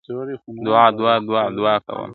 دعا ، دعا ، دعا ،دعا كومه~